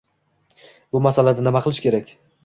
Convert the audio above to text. Bu masalada nima qilish kerak?